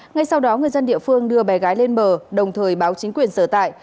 ngay sau đó người dân địa phương đưa bé gái lên bờ đồng thời báo chính quyền sở tại